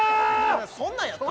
そんなやった？